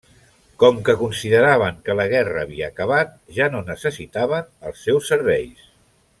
Com que consideraven que la guerra havia acabat, ja no necessitaven els seus serveis.